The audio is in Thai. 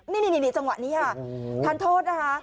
นี่จังหวะนี้ค่ะทานโทษนะคะ